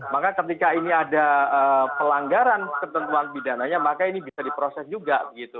maka ketika ini ada pelanggaran ketentuan bidananya maka ini bisa diproses juga begitu